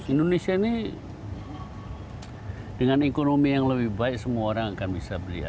indonesia ini dengan ekonomi yang lebih baik semua orang akan bisa beli